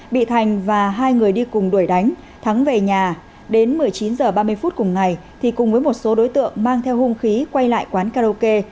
bị thành và hai người đi cùng đuổi đánh thắng về nhà đến một mươi chín h ba mươi phút cùng ngày thì cùng với một số đối tượng mang theo hung khí quay lại quán karaoke